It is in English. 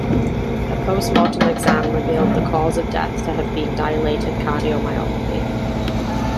A post-mortem exam revealed the cause of death to have been dilated cardiomyopathy.